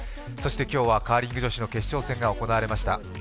そして今日は、カーリング女子の決勝戦が行われました。